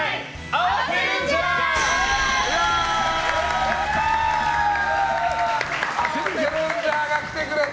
合わせルンジャーが来てくれた！